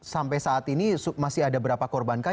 sampai saat ini masih ada berapa korbankah